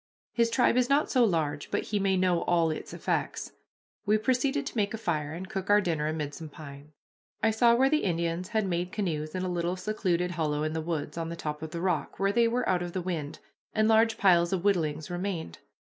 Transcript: His tribe is not so large but he may know all its effects. We proceeded to make a fire and cook our dinner amid some pines. I saw where the Indians had made canoes in a little secluded hollow in the woods, on the top of the rock, where they were out of the wind, and large piles of whittlings remained.